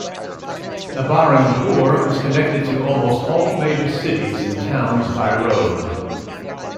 Nabarangpur is connected to almost all major cities and towns by road.